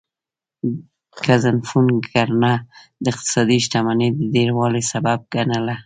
ګزنفون کرنه د اقتصادي شتمنۍ د ډیروالي سبب ګڼله